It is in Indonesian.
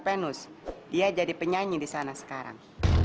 penus dia jadi penyanyi di sana sekarang